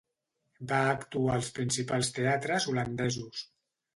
Va actuar als principals teatres holandesos.